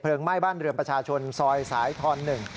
เพลิงไหม้บ้านเรือประชาชนซอยสาธรณ์หนึ่ง